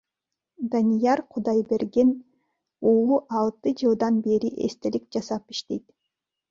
Данияр Кудайберди уулу алты жылдан бери эстелик жасап иштейт.